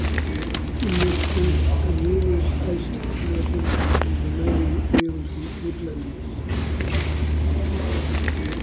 In this seat are numerous oast houses and remaining Wealden woodlands.